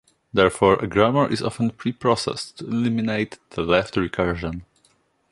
Therefore, a grammar is often preprocessed to eliminate the left recursion.